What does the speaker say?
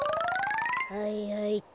はいはいっと。